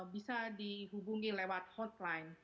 bisa dihubungi lewat hotline